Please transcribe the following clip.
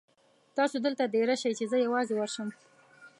تاسو دلته دېره شئ چې زه یوازې ورشم.